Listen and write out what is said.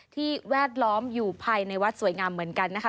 แวดล้อมอยู่ภายในวัดสวยงามเหมือนกันนะคะ